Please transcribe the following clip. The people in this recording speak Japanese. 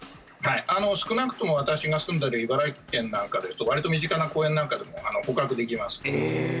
少なくとも私が住んでいる茨城県なんかでわりと身近な公園なんかでも捕獲できます。